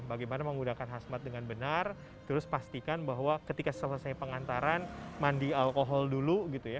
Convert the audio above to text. bagaimana menggunakan khasmat dengan benar terus pastikan bahwa ketika selesai pengantaran mandi alkohol dulu gitu ya